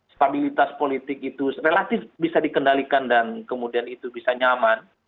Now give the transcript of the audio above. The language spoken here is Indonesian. stabilitas politik itu relatif bisa dikendalikan dan kemudian itu bisa nyaman